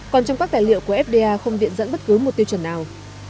còn trong các tài liệu của fda không viện dẫn bất cứ một tiêu chuẩn nào